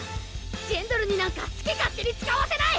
ジェンドルになんか好き勝手に使わせない！